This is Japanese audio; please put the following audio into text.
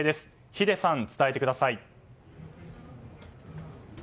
秀さん伝えてください。